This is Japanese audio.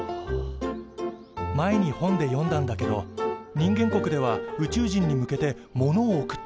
前に本で読んだんだけど人間国では宇宙人に向けて物を送ったこともあるんだって。